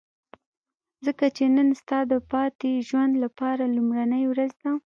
ځکه چې نن ستا د پاتې ژوند لپاره لومړۍ ورځ ده.